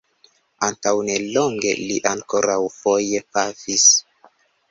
Antaŭnelonge li ankoraŭfoje pafis.